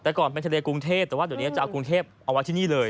แต่ก่อนเป็นทะเลกรุงเทพแต่ว่าเดี๋ยวนี้จะเอากรุงเทพเอาไว้ที่นี่เลย